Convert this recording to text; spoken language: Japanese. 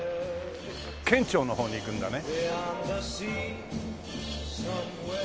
県庁の方に行くんだね。